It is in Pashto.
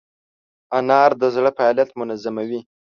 انار د زړه فعالیت منظموي.